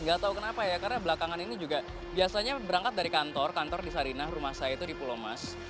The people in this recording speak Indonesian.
nggak tahu kenapa ya karena belakangan ini juga biasanya berangkat dari kantor kantor di sarinah rumah saya itu di pulau mas